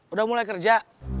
udah mulai kerja